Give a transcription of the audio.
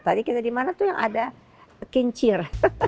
tadi kita di mana tuh yang ada kincir